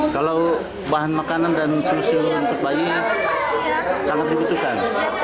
kalau bahan makanan dan susu untuk bayi sangat dibutuhkan